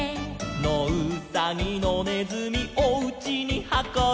「のうさぎのねずみおうちにはこぶ」